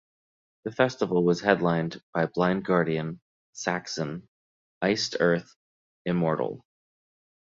The festival was headlined by Blind Guardian, Saxon, Iced Earth, Immortal.